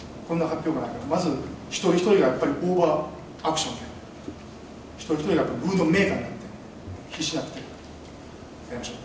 まず一人ひとりがオーバーアクションで一人ひとりがムードメーカーになって必死になってやりましょう。